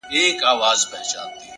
اوس مي حافظه ډيره قوي گلي،